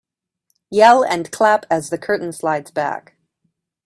Yell and clap as the curtain slides back.